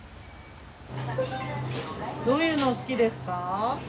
どういうのお好きですか？